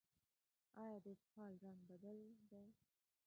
ایا د اسهال رنګ بدل دی؟